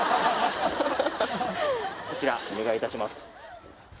こちらお願いいたします